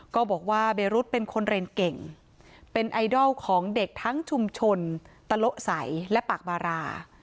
ก็บอกว่าเบรุษเป็นคนเรียนเก่งเป็นไอดอลของเด็กทั้งชุมชนตะโละใสและปากบารา